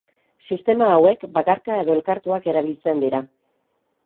Sistema hauek bakarka edo elkartuak erabiltzen dira.